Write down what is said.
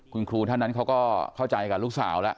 คุณครูท่านนั้นเขาก็เข้าใจกับลูกสาวแล้ว